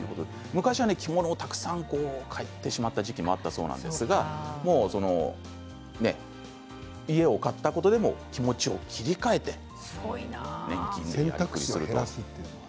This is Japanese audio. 昔は着物を買ってしまった時期もあったそうですが家を買ったことで気持ちを切り替えて年金で。